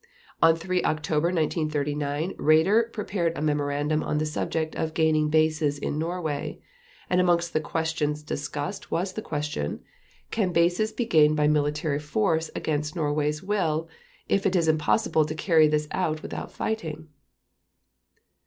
On 3 October 1939 Raeder prepared a memorandum on the subject of "gaining bases in Norway", and amongst the questions discussed was the question: "Can bases be gained by military force against Norway's will, if it is impossible to carry this out without fighting?"